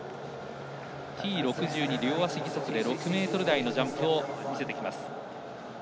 Ｔ６２、両足義足で６ｍ台のジャンプを見せてきます。